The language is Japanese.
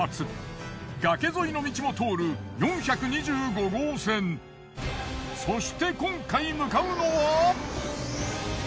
崖沿いの道も通るそして今回向かうのは。